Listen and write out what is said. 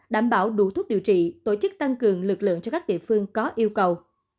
đảm bảo đủ thuốc điều trị tổ chức tăng cường lực lượng cho các địa phương có yêu cầu